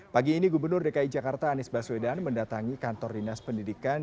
pagi ini gubernur dki jakarta anies baswedan mendatangi kantor dinas pendidikan